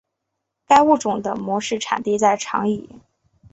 该物种的模式产地在长崎。